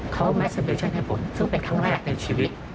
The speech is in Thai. เขาแมสเปชั่นให้ผมซึ่งเป็นครั้งแรกในชีวิต